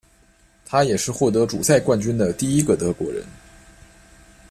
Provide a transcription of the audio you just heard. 他也是获得主赛冠军的第一个德国人。